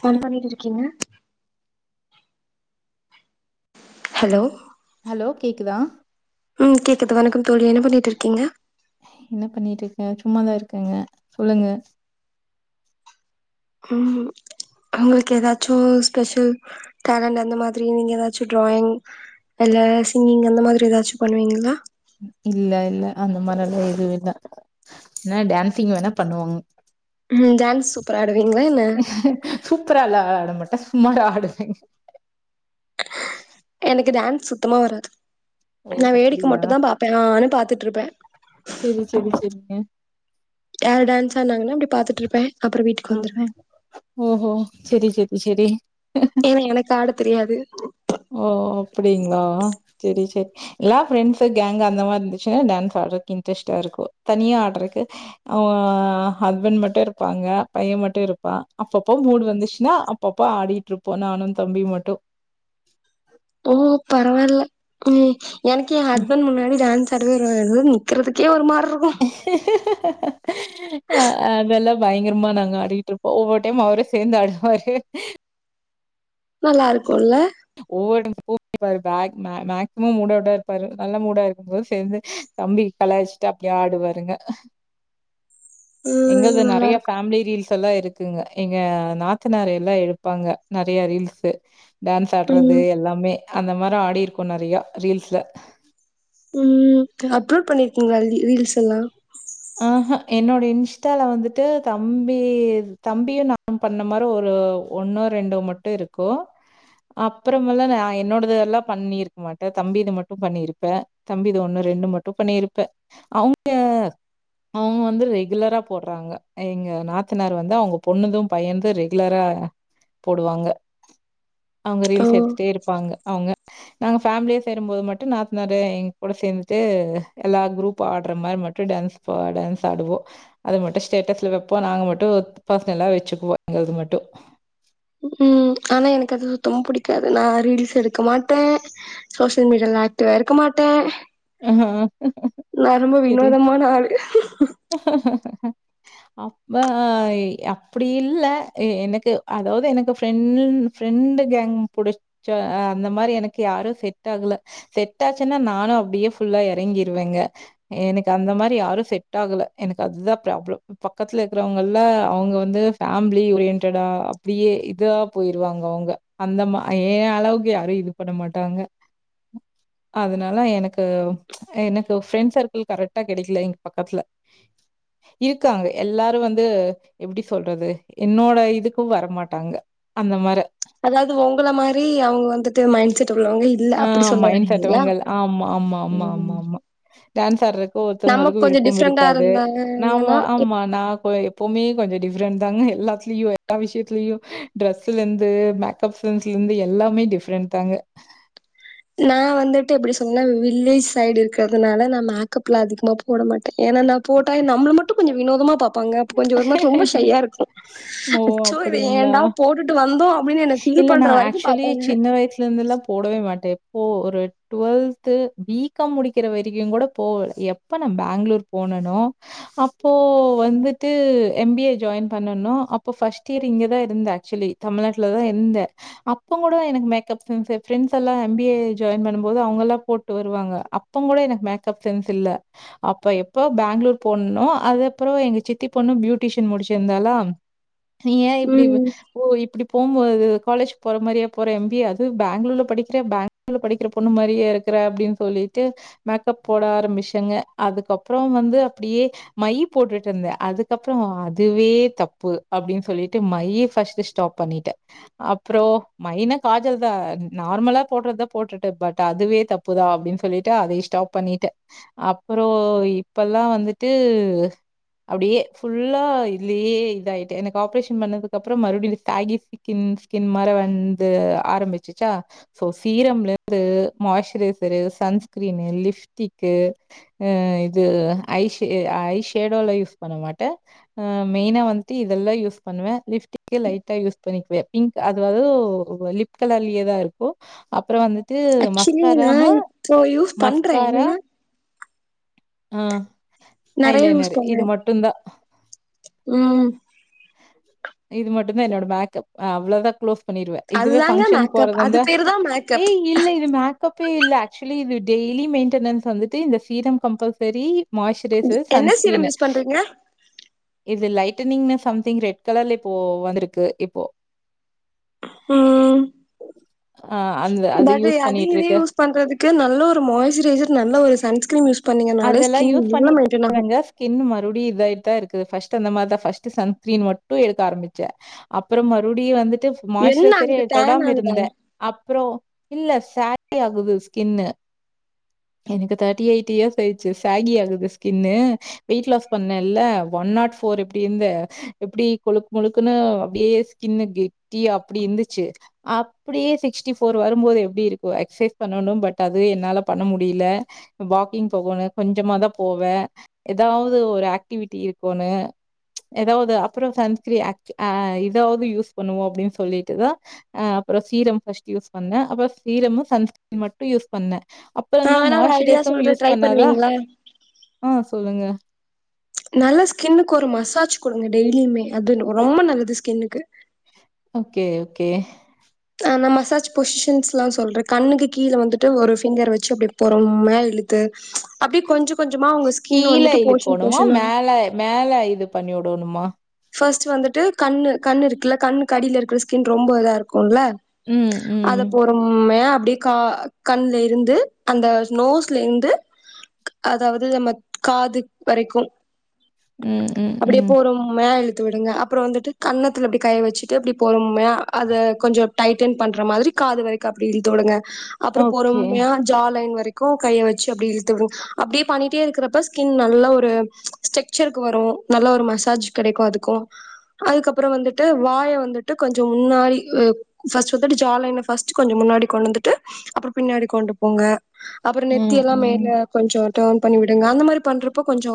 Phone பண்ணிட்டு இருக்கீங்க hello hello கேக்குதா ம் கேக்குது வணக்கம் தோழி என்ன பண்ணிட்டு இருக்கீங்க என்ன பண்ணிட்டு இருக்க சும்மாதா இருக்குங்க சொல்லுங்க ம் உங்களுக்கு எதாச்சு ஸ்பெஷல் டேலண்ட் அந்த மாரி நீங்க எதாச்சு டிராயிங் இல்ல சிங்கிங் அந்த மாரி எதாச்சு பண்ணுவீங்களா இல்லயில்ல அந்த மாரில்லா எதுவு இல்ல என்ன டான்சிங் வேணா பண்ணுவாங்க ம் டான்ஸ் சூப்பரா ஆடுவீங்ளா என்ன சுமாரா ஆடுவேன் எனக்கு டான்ஸ் சுத்தமா வராது ஓ நா வேடிக்க அப்டியா மட்டுந்தா பாப்பேன் ஆனு பாத்துட்டுருப்பேன் செரி செரி செரிங்க யாரு டான்ஸ் ஆடுனாங்கனா யா அப்பிடி பாத்துட்டுயிருப்பே அப்புறோ வீட்டுக்கு வந்துருவே ஆஹா ஓஹோ செரி செரி செரி ஏன்னா எனக்காடத் தெரியாது ஓ அப்பிடிங்களா சேரி சேரி எல்லா ஃப்ரெண்ட்ஸ் கேங்க் அந்த மாரி இருந்துச்சுன்னா டான்ஸ் ஆடுறக்கு இன்ட்ரெஸ்ட்டா இருக்கோ தனியா ஆடுறக்கு ஆ ஓ ஹஸ்பண்ட் மட்டு இருப்பாங்க பையன் மட்டோ இருப்பா அப்பப்போ மூடு வந்துச்சுன்னா அப்பப்ப ஆடிட்டுருப்போ நானு தம்பியு மட்டோ ஓ பரவாயில்ல ம் எனக்கு ஏ ஹஸ்பன்ட் முன்னாடி டான்ஸ் சாடுகுது வியாது நிக்குறதுக்கே ஒரு மார் [inaudible] அ அதெல்லா பயங்கரமா நாங்க ஆடிட்டுயிருப்போ ஒவ்வொரு டைம் அவரே சேந்து ஆடுவாரு நல்லா இருக்கு இல்ல ஒவ்வொரு [unintelligible] பேக் மே மேக்சிமம் மூடவுட்டா இருப்பாரு நல்ல மூடா இருக்கும்போது சேந்து தம்பி கலாயிச்சிட்டு அப்பிடியே ஆடுவாருங்க ம் எங்கள்து நல்லா நெறைய இருக்கு ஃபேமிலி ரீல்ஸ் த் எல்லா இருக்குங்க எங்க நாத்தனார் எல்லா எழுப்பாங்க நெறைய ரீல்ஸ் டா தாடறது ம் எல்லாமே அந்த மாரி ஆடிருக்கோ நெறையா ரீல்ஸ்ல ம் அப்லோட் பண்ணிருக்கீங்கள லி ரி ஸ் இல்லா ஆஹ என்னோட இன்ஸ்டால வந்துட்டு தம்பி தம்பியு நா பண்ண மாரி ஒரு ஒன்னோ ரெண்டோ மட்டு இருக்கு அப்புறல்லா நான் என்னோடதெல்லா பண்ணிருக்கமாட்டே தம்பி இத மட்டும் பண்ணிருப்பே தம்பிது ஒன்னு ரெண்டு மட்டு பண்ணிருப்பே அவங்க அவங்க வந்து ரெகுலரா போடறாங்க எங்க நாத்தனார் வந்து அவுங்க பொண்ணுது பையனது ரெகுலரா போடுவாங்க அவங்க ஓ ரீல்ஸ் எடுத்துட்டே இருப்பாங்க அவங்க நாங்க ஃபேமிலியே சேரும் போது மட்டும் நாத்தனரு எங்க கூட சேர்ந்துட்டு எல்லா குரூப்பா ஆடற மாரி மட்டு டேன்ஸ் ப்ப டேன்ஸ் ஆடுவோ அது மட்டு ஸ்டேட்டஸ்ல வைப்போ நாங்க மட்டு பர்சனலா வச்சுக்குவோ எங்கது மட்டு ம் ஆனால் எனக்கு அது சுத்தமா புடிக்காது நா ரீல்ஸ் எடுக்க மாட்டே சோசியல் மீடியாவில ஆக்டிவா இருக்க மாட்டே ம் நா ரொம்ப சேரி வினோதமான ஆளு அப்ப ஆ இ அப்பிடி இல்ல எனக்கு அதாவது எனக்கு ஃப்ரெண் ஃப்ரெண்டு கேங் புடிச்ச அந்த மாரி எனக்கு யாரு செட் ஆகல செட் ஆச்சுன்னா நானு அப்பிடியே ஃபுல்லா இறங்கிருவங்க எனக்கு அந்த மாரி யாரு செட் ஆகல எனக்கு அதுதா பிராப்ளம் பக்கத்துல இருக்கறவங்கல்ல அவுங்க வந்து ஃபேமிலி ஒரியன்டடா அப்பிடியே இதா போயிருவாங்கங்க அவுங்க அந்த மா ஏ அளவுக்கு யாரு இது பண்ண மாட்டாங்க அதனால எனக்கு க் எனக்கு ஃபிரெண்ட் சர்க்கிள் கரெக்டா கெடைக்கல எங்க பக்கத்துல இருக்காங்க எல்லாரு வந்து எப்பிடி சொல்றது என்னோட இதுக்கு வரமாட்டாங்க அந்த மார அதாவது உங்கள மாரி அவுங்க வந்துட்டு மைண்ட் செட் உள்ளவங்க இல்ல ஆ அப்டி சொல்ல மைண்ட் செட் வரீங்களா உள்ளகள ஆமா அம்மா அம்மா அம்மா ம் அம்மா டேன்ஸ் ஆடர நம்ம ஒவ்வொருத்தவங்களுக்கு கொஞ்சோ விருப்பம் டிஃப்ரெண்டா இருக்காது நாம இருந்தாங்கன்னா ஆமா நா போ எப்பவுமே கொஞ்சோ டிஃப்ரெண் ப்பாங்க எல்லாத்துலியு எல்லா விஷியத்தலயு டிரெஸ்லந்து மேக்கப் சென்ஸ்ல இந்து எல்லாமே டிஃப்ரெண்ட் தாங்க நா வந்துட்டு எப்பிடி சொன்ன வில்லேஜ் சைடு இருக்கிறதுனால நா மேக்கப்பில அதிகமாக போட மாட்டே ஏன்னா நா போட்டா நம்மள மட்டும் கொஞ்சோ வினோதமா ப்பாங்க அப்ப கொஞ்சம் ஒரு மாரி ரொம்ப ஷைய்யா இருக்கும் ஓ! அச்சோ இதை அப்டிங்களா? ஏன்டா போட்டுட்டு வந்தோம் அப்படின்னு என்னை ஃபீல் இல்ல பண்ற நான் வரைக்கும் ஆக்சுவலி பாப்பாங்க சின்ன வயசுலேருந்துலாம் போடவே மாட்டேன். ஒரு ட்வெல்த்து பி காம் முடிக்கிற வரைக்கும் கூட போ எப்ப நான் பெங்களூர் போனேனோ அப்போ வந்து ட்டு எம் பி ஏ ஜாயின் பண்ணனோ அப்போ ஃபர்ஸ்ட் இயர் இங்கதான் இருந்தேன் ஆக்சுவலி தமிழ்நாட்டுல தான் இருந்தேன் அப்ப கூட எனக்கு மேக்கப் சென்ஸ் ப்ரெண்ட்ஸ் எல்லாம் எம் பி ஏ ஜாயின் பண்ணும் போது அவுங்க எல்லாம் போட்டு வருவாங்க அப்போ கூட எனக்கு மேக்கப் சென்ஸ் இல்ல அப்ப எப்போ பெங்களூர் போனேனோ அதுப்புறம் எங்க சித் தி பொண்ணும் பியூட்டிஷியன் முடிச்சிருந்தாலா நீ ஏன் இப்படி ம். ஓ இப்படி போகுமபோது காலேஜ் போற மாதிரியே போற எம் பி ஏ அது பெங்களூர்ல படிக்கிற பெங்களூர்ல படிக்கிற பொண்ணு மாதிரியா இருக்கிற அப்படின்னு சொல்லிட்டு மேக்கப் போட ஆரம்பிச்சேங்க அதுக்கப்புறம் வந்து அப்படியே மை போட்டுட்டு இருந்தேன் அதுக்கப்புறம் அதுவே தப்பு அப்படின்னு சொல்லிட்டு மையை ஃபர்ஸ்ட்டு ஸ்டாப் பண்ணிட்டேன் அப்புறம் மைனா காஜல் தான் நார்மலா போடுறதுதான் போட்டுட்டேன் பட் அதுவே தப்புதான் அப்படின்னு சொல்லிட்டு அதையே ஸ்டாப் பண்ணிட்டேன் அப்புறம் இப்பெல்லாம் வந்துட்டு அப்டியே ஃபுல்லா இதுலேயே இதாயிட்டு எனக்கு ஆப்ரேஷன் பண்ணதுக்கு அப்புறம் மறுபடியும் தாகி ஸ்கின் ஸ்கின் மாரி வந்து ஆரம்பிச்சிச்சா சோ சீரம்ல இருந்து மாயஸ்சுரைசரு சன்ஸ்கிரீம்மு லிப்ஸ்டிக் இது ஐ ஐ ஷாடோ லைஃப் பண்ண மாட்டன் மெய்னா வந்துட்டு இதெல்லாம் யூஸ் பண்ணுவேன் லிப்ஸ்டிக் லைட் டா யூஸ் பண்ணிக்குவேன் பிங்க் லிப் கலர்லேதான் இருக்கும் அப்புறம் வந்து ஆக்சுவலி நான் இப்போ யூஸ் பண்றேன் மஸ்காரா என்னன்னா ஆ நெறைய யூஸ் ஐலைனர் இது பண்ணேன் மட்டுந்தா ம் இது மட்டும்தான் என்னோட மேக்கப் அவ்வளோதான் குளோஸ் பண்ணிருவ இதுவே அதுதாங்க பங்க்ஷன் மேக்கப். போறதா அது இருந்தா பேரு தான் மேக்கப். ஏய் இல்ல இது மேக் ஓகே இல்ல ஆக்சுவலி இது டெய்லி மெயின்டெனன்ஸ் வந்துட்டு இந்த சீரம் கம்பல்சரி மாயஸ்சுரைசர் என்ன சீரம் சன்ஸ்கிரீன்னு யூஸ் பண்றீங்க? இது லை தின்னிங்னா சம் திங் ரெட் கலர்ல இப்போ வந்திருக்கு இப்போ ஆ அ அந்த பட் யூஸ் அது இதையும் பண்ணிட்டுருக்கேன். யூஸ் பண்றதுக்கு நல்ல ஒரு மாய்சுரைசர் நல்ல ஒரு சன்ஸ்கிரீம் யூஸ் பண்ணீங்கனாலே ஸ்கின் நல்ல மெயின்டென் ஆகும் டியும் இதாயிட்டு தான் இருக்கு ஃபர்ஸ்ட்டு அந்த மாரி தான் ஃபர்ஸ்ட்டு சன்ஸ்கீரிம் மட்டும் எடுக்க ஆரம்பிச்ச அப்புறம் மறுபடியும் வந்து ட்டு என்ன மாஸ்ரைசரே ஆகுது டேன் தொடாம ஆகுதா இருந்தேன் அப்றோம் இல்ல சாகி ஆகுது ஸ்கின்னு எனக்கு தேர்ட்டி எயிட் இயர்ஸ் பேய்ச்சு ஷைனி ஆகுது ஸ்கின்னு வெயிட் லாஸ் பண்ணேல ஒன் நாட் ஃபோர் எப்டி இந்தேன் எப்டி கொழ்க் முழுக்குன்னு அப்டியே ஸ்கின்னு கெட்டியா அப்டி இருந்துச்சு அப்டியே சிக்ஸ்டி ஃபோர் வரும்போது எப்படி இருக்கும் எக்ஸசைஸ் பண்ணணும் பட் அது என்னால பண்ண முடியல வாக்கிங் போகணும் கொஞ்சமா தான் போவேன் ஏதாவது ஒரு ஆக்டிவிட்டி இருக்கோணும் ஏதாவது அப்புறம் சன்ஸ்கிரீன் ஆக் இதாவது யூஸ் பண்ணுவோம் அப்படின்னு சொல்லிட்டு தான் அப்புறம் சீரம் ஃபர்ஸ்ட் யூஸ் பண்ணேன் அப்புறம் சீரமும் சன்ஸ்கரீன் மட்டும் யூஸ் பண்ணேன் அப்புறம் நான் தான் வேணா ஒரு ஐடியா மாய்ஸ்சரைசரும் சொல்றேன் யூஸ் ட்ரை பண்ணாதா? பண்வீங்களா ஆ சொல்லுங்க நல்லா ஸ்கின்னுக்கு ஒரு மசாஜ் குடுங்க டெய்லியுமே அது ரொம்ப நல்லது ஸ்கின்னுக்கு ஓகே ஓகே நான் மசாஜ் பொசிஷன்ஸ் எலாம் சொல்றேன் கண்ணுக்கு கீழே வந்துட்டு ஒரு ஃபிங்கர் வச்சு அப்படி பொறுமையா இழுத்து அப்படியே கொஞ்சம் கீழ இழுக்கோனுமா மேல மேல இது பண்ணி உடோணுமா ஃபஸ்ட்டு வந்துட்டு கண்ணு கண்ணு இருக்குல கண்ணுக்கு அடில இருக்குற ஸ்கின் ரொம்ப இதா இருக்கு க்குல ம், ம். அத பொறுமையா அப் அப்டியே கா கண்ல இருந்து அந்த நோஸ்ல இருந்து அதாவது நம்ம காது வரைக்கும் ம் ம் ம் மேல இழுத்து விடுங்க அப்புறோ வந்துட்டு கண்ணத்துல அப்டி கை வெச்சுட்டு அப்டியே போற மாரி அத கொஞ்சோ டைட்டன் பண்ற மாதிரி காது வரைக்கு அப்டி இழுத்துடுங்க அப்புறோ ஓகே. பொறுமையா ஜாலைன் வரைக் கோ கைய வெச்சு அப்டியே இழுத்து உடுங் அப்டியே பண்ணிட்டே இருக்குறப்ப ஸ்கின் நல்லா ஒரு ஸ்டெக்சர்க்கு வரு நல்லா ஒரு மசாஜ் கெடைக்கு அதுக்கு அதுக்கப்புறோ வந்துட்டு வாய வந்துட்டு கொஞ்சோ முன்னாடி ஃபஸ்ட்டு வந்துட்டு ஜாலைன ஃபஸ்ட்டு கொஞ்சோ முன்னாடி கொண்டு வந்துட்டு அப்புறோ பின்னாடி கொண்டு போங்க அப்புறோ நெத்தி ம், எல்லாம் ம். மேல கொஞ்சோ டோன் பண்ணி விடுங்க அந்த மாரி பண்றப்போ கொஞ்சோ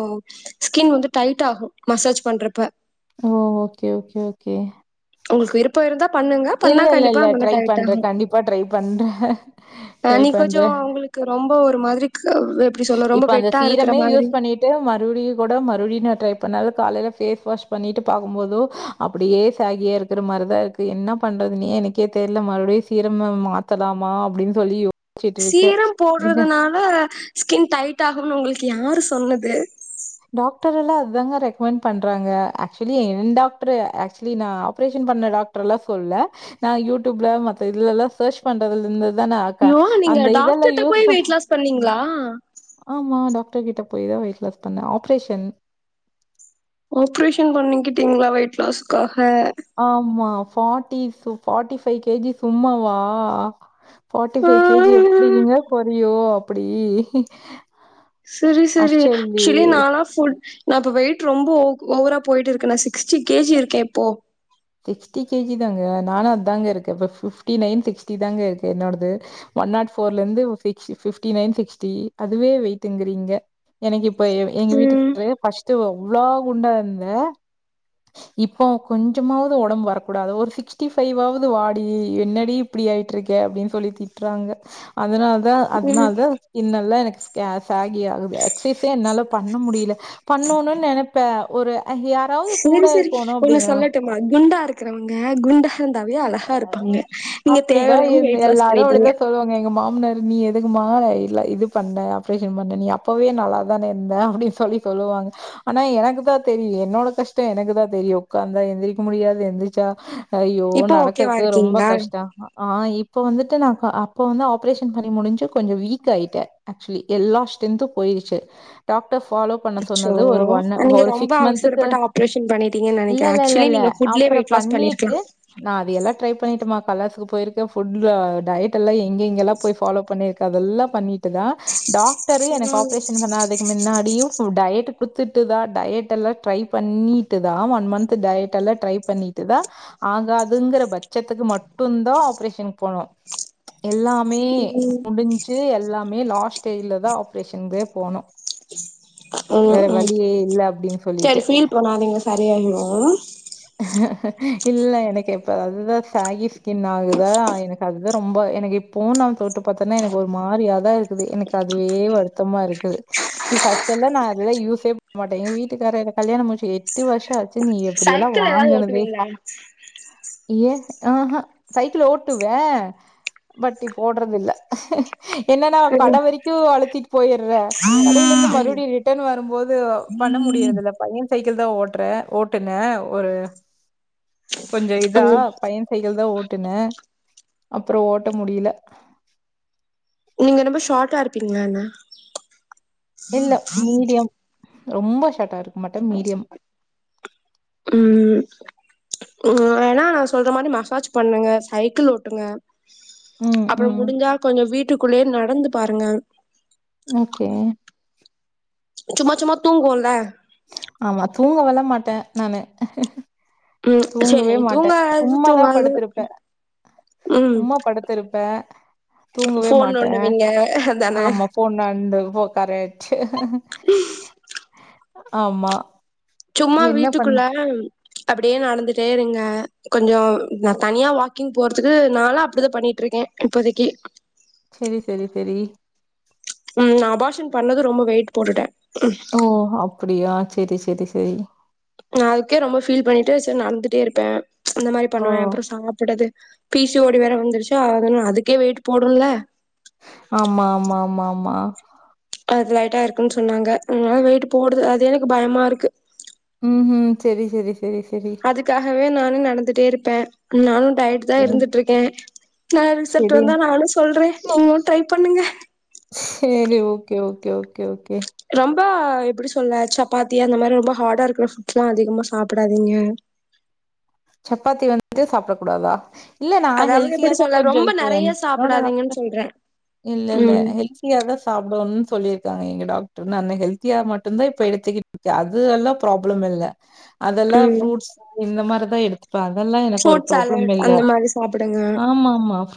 ஸ்கின் வந்து டைட் ஆகு மசாஜ் பண்ற ப ஓ ஓகே ஓகே ஓகே உங்களுக்கு விருப்போ இருந்தா பண்ணுங்க பண்ணா இல்ல இல்ல கண்டிப்பா இல்ல நல்லா ட்ரை டைட் பண்ற ஆகு கண்டிப்பா ட்ரை பண்ற ட்ரை பண்ற அப்போ ஒரு மாதிரிக்கு இப்ப அந்த சீரமே யூஸ் பண்ணிட்டு மறுவுடியு கூட மறுவுடி நா ட்ரை பண்ணாலு காலைல பேஸ் வாஷ் பண்ணிட்டு பாக்கும் போது அப்புடியே சாகியே இருக்குற மாரிதா இருக்கு என்ன பண்றதுனே எனக்கே தெர்ல மறுவுடியு சீரம்ம மாத்தலாமா அப்டின் சொல்லி யோ சீரம் போடுறதுனால ஸ்கின் டைட் ஆகும்னு உங்களுக்கு யாரு சொன்னது டாக்டர் எல்லா அதுதாங்க ரெக்கமெண்ட் பண்றாங்க ஏக்சுவலி என் டாக்டர் ஏக்சுவலி நா ஆப்ரேஷன் பண்ண டாக்டர் எல்லா சொல்ல நா யூடியூப்ல மத்த இதுலல்லா சோர்ச் பண்றதுல இருந்து துதா நா ஆக்க ஐயோ நீங்க அந்த இதெல்லா டாக்டர்ட்ட யூஸ் போய் ப வெயிட் லாஸ் பண்ணீங்களா ஆமா டாக் டாக்டர் கிட்ட போய்தா வெயிட் லாஸ் பண்ண ஆப்ரேஷன் ஆப்ரேஷன் பண்ணிக்கிட்டீங்களா வெயிட் லாஸ்க்கா ஆமா ஃபாட்டி சுப் ஃபாட்டி ஃபை கேஜி சும்மாவா ஃபாட்டி ஃபை கேஜி லாஸ்க்காக எப்டிங்கங்க கொறையு அப்புடி சேரி சேரி ஏக்சுவலி நால்லா ஃபுட் நா இப்ப வெயிட் ரொம்ப ஓவரா போயிட்டு இருக்க நா சிக்ஸ்டி கேஜி இருக்க இப்போ சிக்ஸ்டி கேஜி தாங்க நானு அதாங்க இருக்க இப்ப பிஃப்டி நைன் சிக்ஸ்டி தாங்க இருக்க என்னோடது ஒன் நாட் போர்ல இருந்து சிக்ஸ்டி பிஃப்டி நைன் சிக்ஸ்டி அதுவே வெயிட்டுங்குறீங்க எனக்கு எப் ப்ப எங்க ம். வீட்டுக்காரு ஃபஸ் த்து அவ்ளோ குண்டா இருந்த இப்போ கொஞ் சும்மாவாவது ஒடம்பு வரக் கூடாதோ ஒரு சிக்ஸ்டி ஃபைவ் வாவது வாடி என்னடி இப்டி ஆயிட்ருக்க அப்டின் சொல்லி திட்ராங்க அதனால் தா ம். அதனால்தா இன்னல்ல எனக்கு ஸ்கே சாகி ஆகுது எக்ஸைஸே என்னால பண்ண முடில பண்ணனுன் நெனப்பே ஒரு ஐ யா சேரி சேரி ஒன்னு சொல்லட்டுமா குண்டா இருக்குறவுங்க குண்டா இருந்தாவே அழகா இருப்பாங்க. அ நீங்க அப்டிதா தேவையில்லாம எந்த வெயிட் லாஸ் எல்லாரு பண்ணிட்டீங்க. அப்டிதா சொல்வாங்க எங்க மாமனார் நீ எதுக்குமா இல்ல இது பண்ண ஆப்ரேஷன் பண்ண நீ அப்பவே நல்லா தானே இருந்த அப்டின் சொல்லி சொல்லுவாங்க ஆனா எனக்கு தா தெரியு என்னோட கஷ்ட எனக்குதா தெரியு ஒக்காந்தா எந்திரிக்க முடியாது எந்திரிச்சா ஐயோ இப்ப ஓகேவா நடக்கறது ரொம்ப இருக்கீங்ளா கஷ்டம் ஆ இப்ப வந்துட்டு நா அப்ப வந்து ஆப்ரேஷன் பண்ணி முடிஞ்சு கொஞ்ச வீக் ஆயிட்டே ஆக்சுவலி எல்லா ஸ்டென்த்து போயிருச்சு டாக் அச்சோ நீங்க ரொம்ப சிக்ஸ் மந்த்துக்கு அவசரபட்டு ஆப்ரேஷன் பண்ணிடீங்கன் இல்ல நெனக்கிறே இல்ல ஆக்சுவலி நீங்க ஃபுட்லயே வெயிட் லாஸ் பண்ணிர்க்லா நா அது எல்லா ட்ரை பண்ணிட்டமா கலர்ஸ்கு போயிரு க்க ஃபுட்ல டயட் எல்லா எ ங்க இங்கலா போய் ஃபலோ பண்ணிரு அதெல்லா பண்ணி ட்டுதா டாக்டரு எனக்கு ஆப்ரேஷன் பண்ணாதுக்கு மின்னாடியு ஃபுட் டயட்டு குடுத்துட்டுதா டயட்டல்லா ட்ரை பண்ணீட்டு தா ஒன் மன்த்து டயட்டல்லா ட்ரை பண்ணிட்டு தா ஆகா துங்குற பச்சத்துக்கு மட்டுந் தா ஆப்ரேஷன் போனோ எல்லாமே ம். முடுஞ்சு எல்லாமே லாஸ்ட் ஸ்டேஜ்லதா ஆப்ரேஷன்து போனோ ம் ம் அப்படின்னு செரி ஃபீல் பண்ணாதீங்க சரியாயிரு அஹஹ இல்ல எனக்கு இப்ப அதுதா ஸாகி ஸ்கின் ஆகுதா எனக்கு அது தா ரொம்ப எனக்கு இப்பவு நா தொட்டு பாத்தனா எனக்கு ஒரு மாரியா தா இருக்குது எனக்கு அதுவே வருத்தமா இருக்கு இப்ப ஃபர்ஸ்ட் எல்லா நா அதுலா யூஸே பண்ண மாட்டே எ வீட்டுக்கார என கல்யாண முச்சி எட்டு வருஷ ஆச்சி நீ எப் புடியெல்லா சைக்கிள் ஏதாவது வாங்குனதே ஓட்டுவீங்களா? ஏ ஆஹ சைக்கிள் ஓட்டுவே பட் இப்ப ஓட்றதில்ல என்னனா கட வரைக்கு அழுத்திட்டு போயிர்றே கடைலந்து ம். மறுப்டியு ரிட்டன் வரும்போது பண்ண முடிறதுல்ல பைய சைக்கிள் தா ஓட்றே ஓட்டு னே ஒரு கொஞ்ச இதா ம் பைய சைக்கிள் தா ஓட்டுனே அப்றோ ஓட்ட முடியில நீங்க ரொம்ப ஷாட்டா இருப்பீங்ளா என்ன இல்ல மீடியம் ரொம்ப ஷாட் உம் உம் ஏன்னா நா சொல்ற மாரி மசாஜ் பண்ணுங்க சைக்கிள் ஓட்டுங்க ம் அப்றோ ம் முடிஞ்சா கொஞ்சோ வீட்டுக்கு குள்ளேயே நடந்து பாருங்க ஓகே சும்மா சும்மா தூங்குவோல ஆமா தூங்கவள மாட்டே நானு ம் சரி தூங்கவே நீங்க மாட்டே தூங்காதது சும்மாதா தூங்காது படுத்திருப்பே ம் சும்மா படுத்திருப்பே தூங்கவே ஃபோன் மாட்டே நோண்டுவீங்க அதான ஆமா போண்டாண்டு போ கரேட்டு [inaudible] ஆமா சும்மா பண்ண வீட்டுக்குள்ள அப்டியே நடந்துட்டே இருங்க கொஞ்சோ நா தனியா வாக்கிங் போறதுக்கு நாளா அப்டிதா பண்ணிட்டு இருக்கே இப்போதைக்கு செரி செரி செரி ம் நா அபாஷன் பண்ணது ரொம்ப வெயிட் போட்டுட்டே ஓ அப்டியா செரி செரி சேரி நா அதுக்கே ரொம்ப ஃபீல் பண்ணிட்டு சே நடந்துட்டே இருப்பே அந்த மாரி ஓ பண்ணுவே அப்றோ சாப்றது பீ சி ஓ டி வேற வந்துருச்சு அது அதுக்கே வெயிட் போடும்ல ஆமா ஆமா ஆமா ஆமா அது லைட்டா இருக்குன்னு சொன்னாங்க அதனால வெயிட்டு போடுது அதுவே எனக்கு பயமா இருக்கு ம்ஹும் செரி செரி செரி செரி அதுக்காகவே நானு நடந்துட்டே இருப்பே நானு டயட் தா இருந்துகிட்டு இருக்கே நல்ல ரிசல்ட் செரி வந்தா நானு சொல்றே நீங்களு ட்ரை பண்ணுங்க சேரி ஓகே ஓகே ஓகே ஓகே ரொம்ப எப்டி சொல்ல சப்பாத்தி அந்த மாரி ரொம்ப ஹாடா இருக்ற புட் எல்லா அதிகமா சாப்டாதீங்க சப்பாத்தி வந்து சாப்டக் கூடாதா இல்ல நா அதாவது ஹெல்த்தியா எப்டி தா சொல்ல கொஞ்சோ ரொம்ப இப்போ என் நெறைய என்னோட டாக்ரூ சாப்டாதீங்கன்னு சொல்றே இல்ல இல்ல ம் ஹெல்த்தியா தா சாப்டும்னு சொல்லியிருக்காங்க எங்க டாக்டர் நானு ஹெல்தியா மட்டும்தா இப்ப எடுத்துக்கிட்டு இருக்கே அது எல்லாம் ப்ராப்ளம் இல்ல அதெல்லாம் ம் ஃப்ரூட்ஸ் இந்த மாரி [unintelligible] இப்ப அதெல்லா எனக்கு ஒரு ஃப்ரூட் ப்ராப்ளம் சாலட் இல்ல அந்த மாரி சாப்டுங்க ஆமா ஆமா